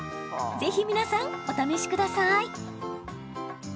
ぜひ皆さん、お試しください。